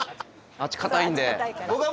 あっち硬いから。